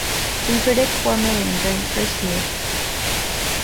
We predict four million during the first year.